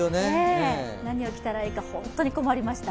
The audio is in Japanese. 何を着たらいいか、本当に困りました。